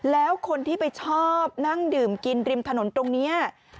แล้วคนที่ไปชอบนั่งดื่มกินริมถนนตรงนี้